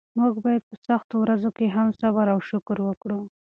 موږ باید په سختو ورځو کې هم صبر او شکر وکړو.